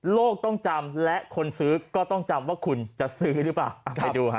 โลกต้องจำและคนซื้อก็ต้องจำว่าคุณจะซื้อหรือเปล่าไปดูฮะ